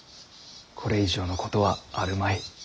これ以上のことはあるまい。